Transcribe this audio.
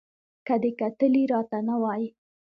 که دې کتلي را ته نه وای